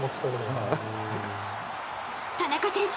田中選手！